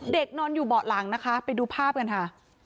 นอนอยู่เบาะหลังนะคะไปดูภาพกันค่ะ